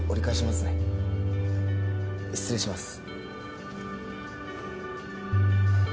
はい失礼します